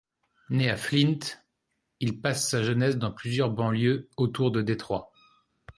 Né à Flint, il passe sa jeunesse dans plusieurs banlieues autour de Détroit.